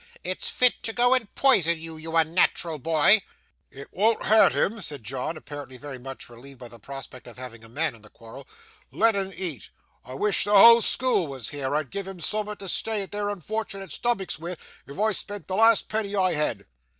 It's fit to go and poison you, you unnat'ral boy.' 'It wean't hurt him,' said John, apparently very much relieved by the prospect of having a man in the quarrel; 'let' un eat. I wish the whole school was here. I'd give'em soom'at to stay their unfort'nate stomachs wi', if I spent the last penny I had!